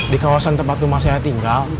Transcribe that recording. di kawasan tempat rumah saya tinggal